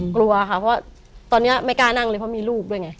กลัวค่ะเพราะว่าตอนนี้ไม่กล้านั่งเลยเพราะมีลูกด้วยไง